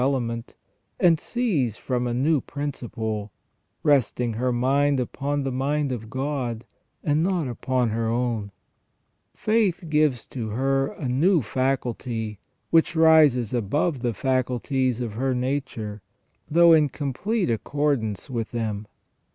FROM THE BEGINNING TO THE END OF MAN 385 element, and sees from a new principle, resting her mind upon the mind of God, and not upon her own. Faith gives to her a new faculty, which rises above the faculties of her nature, though in complete accordance with them.